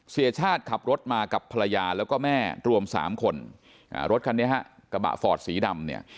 เสียชาติขับรถมากับภรรยาแล้วก็แม่รวมสามคนรถคันนี้ฮะกระบะฟอร์ดสีดำเนี่ย